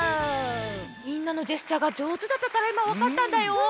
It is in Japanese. みんなのジェスチャーがじょうずだったからいまわかったんだよ。